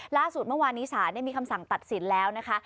ล่าสุดเมื่อวานนี้ศาลได้มีคำสั่งตัดสินแล้วนะคะ